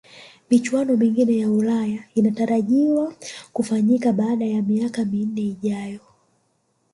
michuano mingine ya ulaya inatarajiwa kufanyika baada ya miaka minne ijayo